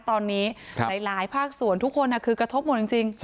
ตอนนี้หลายภาคส่วนทุกคนคือกระทบหมดจริง